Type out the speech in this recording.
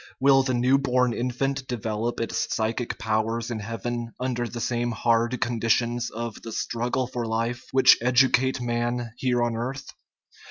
Will the new born infant develop its psychic powers in heaven under the same hard conditions of the " struggle for life " which educate man here on earth?